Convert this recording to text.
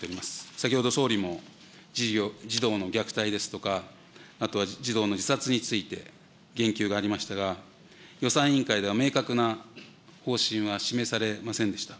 先ほど、総理も、児童の虐待ですとか、あとは児童の自殺について言及がありましたが、予算委員会では明確な方針は示されませんでした。